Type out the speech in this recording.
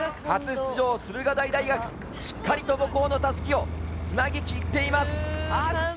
初出場、駿河台大学、しっかりと母校のたすきをつなぎきっています。